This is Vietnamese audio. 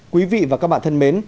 quý vị và các bạn thân mến